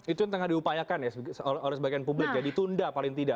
itu yang tengah diupayakan ya oleh sebagian publik ya ditunda paling tidak